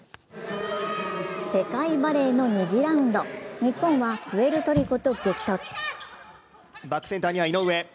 世界バレーの２次ラウンド、日本はプエルトリコと激突。